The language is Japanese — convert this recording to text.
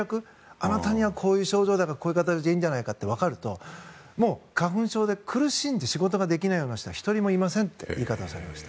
あなたにはこういう症状だからこういうのがいいんじゃないかとやればもう、花粉症で苦しんで仕事ができないような人は１人もいませんという言い方をされました。